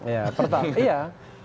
jangan jadi presiden